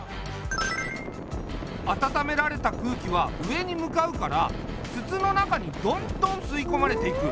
温められた空気は上に向かうから筒の中にどんどん吸い込まれていく。